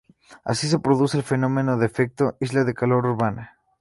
Así se produce el fenómeno de efecto "isla de calor urbana".